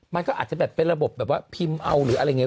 มันก็อาจจะแบบเป็นระบบแบบว่าพิมพ์เอาหรืออะไรอย่างนี้